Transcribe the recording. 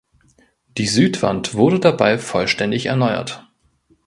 Die Südwand wurde dabei vollständig erneuert.